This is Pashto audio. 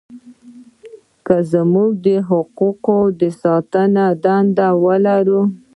که موږ د حقوقو د ساتنې دنده لرو.